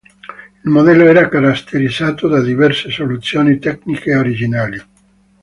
Il modello era caratterizzato da diverse soluzioni tecniche originali.